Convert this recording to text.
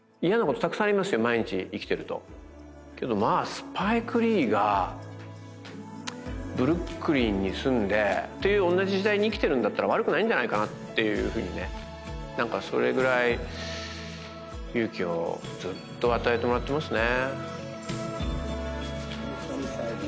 スパイク・リーがブルックリンに住んでっていう同じ時代に生きてるんだったら悪くないんじゃないかなっていうふうにねなんかそれぐらい勇気をずっと与えてもらってますね